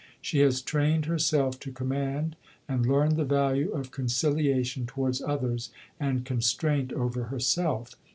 She has trained herself to command, and learned the value of conciliation towards others and constraint over herself.